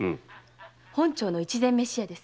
本町の一膳めし屋です。